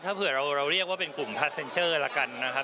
ถ้าเผื่อเราเรียกว่าเป็นกลุ่มทัสเซ็นเซอร์